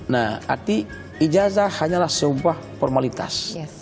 nah arti ijazah hanyalah sebuah formalitas